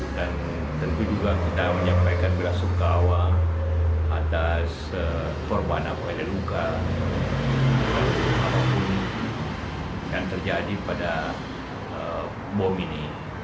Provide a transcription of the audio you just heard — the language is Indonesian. dan tentu juga kita menyampaikan berasukawa atas korban apa ada luka apa pun yang terjadi pada bom ini